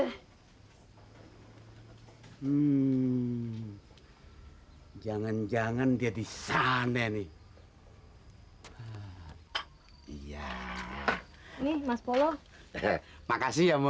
hai hmm jangan jangan dia disana nih